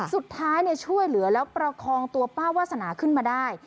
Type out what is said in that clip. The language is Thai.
สุดท้ายช่วยเหลือแล้วประคองตัวป้าวาสนาขึ้นมาได้